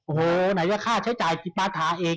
โอ้โหไหนก็ค่าใช้จ่ายกิปราธาเอง